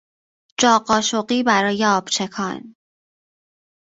جا قاشقی برای آب چکان